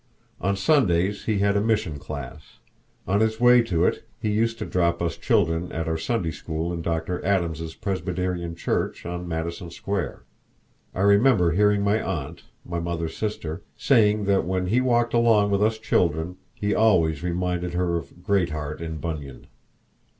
On Sundays he had a mission class. On his way to it he used to drop us children at our Sunday school in Dr. Adams's Presbyterian Church on Madison Square; I remember hearing my aunt, my mother's sister, saying that when he walked along with us children he always reminded her of Greatheart in Bunyan.